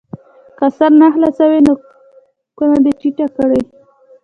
که سر نه خلاصوي نو کونه دې ټینګه کړي.